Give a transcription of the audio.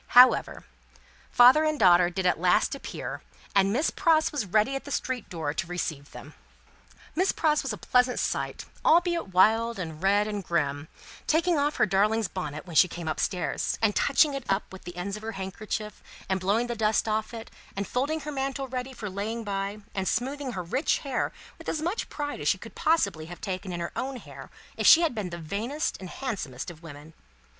However, father and daughter did at last appear, and Miss Pross was ready at the street door to receive them. Miss Pross was a pleasant sight, albeit wild, and red, and grim, taking off her darling's bonnet when she came up stairs, and touching it up with the ends of her handkerchief, and blowing the dust off it, and folding her mantle ready for laying by, and smoothing her rich hair with as much pride as she could possibly have taken in her own hair if she had been the vainest and handsomest of women.